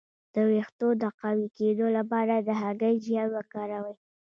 د ویښتو د قوي کیدو لپاره د هګۍ ژیړ وکاروئ